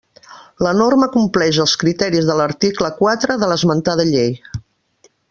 La norma complix els criteris de l'article quatre de l'esmentada llei.